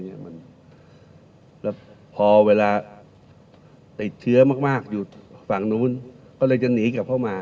แล้วพอเวลาติดเชื้อมากอยู่ฝั่งนู้นก็เลยจะหนีกลับเข้ามา